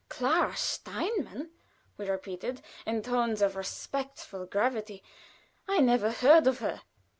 ] "Clara Steinmann," we repeated, in tones of respectful gravity, "I never heard of her."